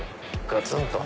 ガツン！と。